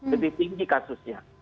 lebih tinggi kasusnya